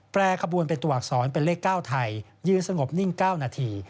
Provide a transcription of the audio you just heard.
ขบวนเป็นตัวอักษรเป็นเลข๙ไทยยืนสงบนิ่ง๙นาที